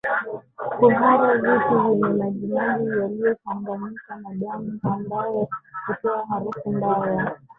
Kuhara vitu vyenye majimaji yaliyochanganyika na damuambayo hutoa harufu mbaya